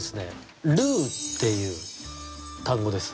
「ルー」っていう単語です。